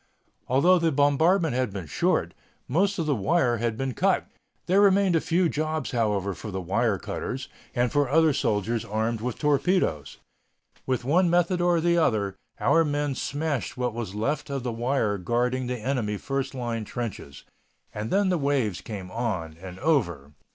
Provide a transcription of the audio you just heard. Although the bombardment had been short, most of the wire had been cut. There remained a few jobs, however, for the wire cutters, and for other soldiers armed with torpedoes. With one method or the other our men smashed what was left of the wire guarding the enemy first line trenches. And then the waves came on and over.